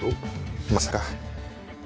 まさか。